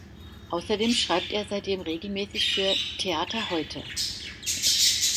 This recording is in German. Außerdem schreibt er seitdem regelmäßig für "Theater heute".